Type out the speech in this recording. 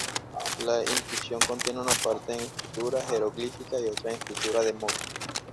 La inscripción contiene una parte en escritura jeroglífica y otra en escritura demótica.